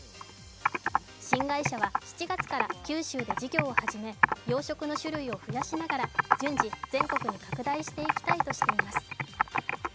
新会社は７月から九州で事業を始め養殖の種類を増やしながら順次、全国に拡大していきたいとしています。